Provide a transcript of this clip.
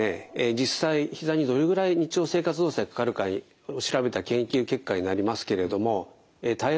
実際ひざにどれぐらい日常生活動作でかかるか調べた研究結果になりますけれども平らな道ですね